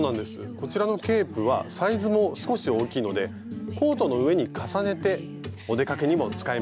こちらのケープはサイズも少し大きいのでコートの上に重ねてお出かけにも使えますよね。